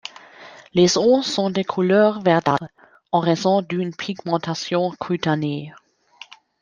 Les os sont de couleur verdâtre, en raison d'une pigmentation cutanée.